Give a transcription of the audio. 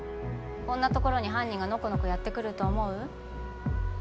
こんなところに犯人がノコノコやって来ると思う？